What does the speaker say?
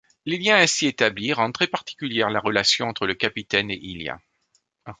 Les liens ainsi établis rendent très particulière la relation entre le capitaine et Illia.